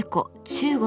中国